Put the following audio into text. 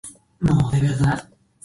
Yuta Ito